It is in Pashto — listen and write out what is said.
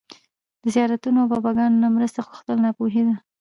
د زيارتونو او باباګانو نه مرسته غوښتل ناپوهي ده